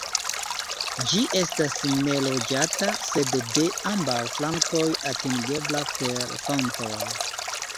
Ĝi estas neloĝata, sed de ambaŭ flankoj atingebla per pontoj.